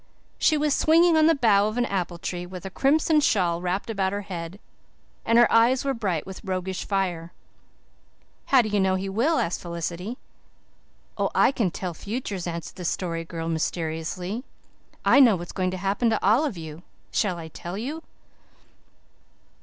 She was swinging on the bough of an apple tree, with a crimson shawl wrapped about her head, and her eyes were bright with roguish fire. "How do you know he will?" asked Felicity. "Oh, I can tell futures," answered the Story Girl mysteriously. "I know what's going to happen to all of you. Shall I tell you?"